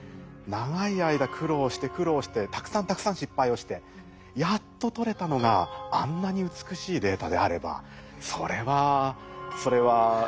長い間苦労して苦労してたくさんたくさん失敗をしてやっと取れたのがあんなに美しいデータであればそれはそれはうれしいでしょうねっていうふうに私も思いますし。